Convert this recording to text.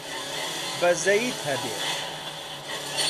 بەزەییت هەبێت!